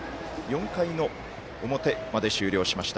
４回の表まで終了しました